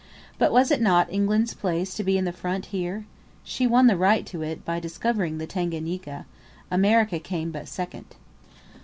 But was it not England's place to be in the front here? She won the right to it by discovering the Tanganika; America came but second.